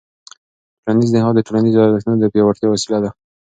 ټولنیز نهاد د ټولنیزو ارزښتونو د پیاوړتیا وسیله ده.